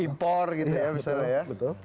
impor gitu ya misalnya ya betul